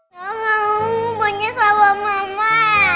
mama mau main sama mama